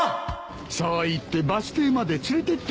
そう言ってバス停まで連れてってくれたんだ。